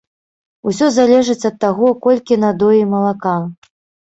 Усё залежыць ад таго, колькі надоі малака.